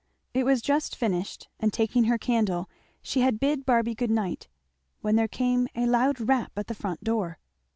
It was just finished, and taking her candle she had bid Barby good night, when there came a loud rap at the front door.